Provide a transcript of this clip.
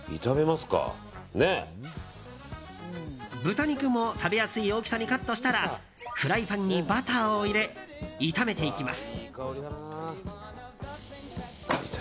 豚肉も食べやすい大きさにカットしたらフライパンにバターを入れ炒めていきます。